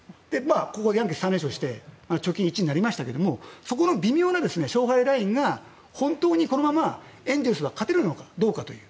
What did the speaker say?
ここでヤンキースに３連勝して貯金１になりましたけどそこの微妙な勝敗ラインが本当にこのままエンゼルスが勝てるのかどうかという。